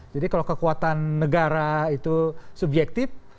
kalau kekuatan negara itu subjektif